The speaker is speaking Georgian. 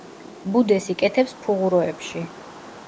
ბუდეს იკეთებს ფუღუროებში.